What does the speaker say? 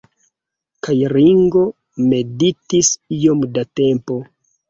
Kaj Ringo meditis iom da tempo.